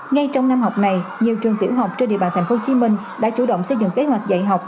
ngay trong năm học này nhiều trường tiểu học trên địa bàn tp hcm đã chủ động xây dựng kế hoạch dạy học